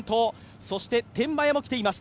そして天満屋もきています。